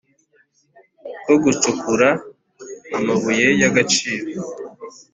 Urwo gucukura amabuye y agaciro